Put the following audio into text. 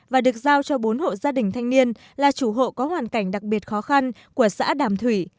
và được giao cho bốn hộ gia đình thanh niên là chủ hộ có hoàn cảnh đặc biệt khó khăn của xã đàm thủy